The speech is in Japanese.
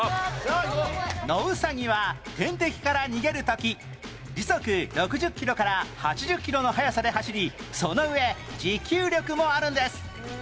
ノウサギは天敵から逃げる時時速６０キロから８０キロの速さで走りその上持久力もあるんです